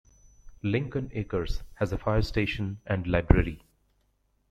Lincoln Acres has a fire station and library.